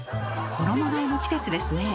衣がえの季節ですねえ。